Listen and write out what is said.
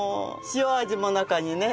塩味も中にね。